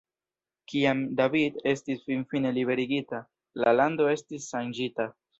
Kiam David estis finfine liberigita, la lando estis ŝanĝita.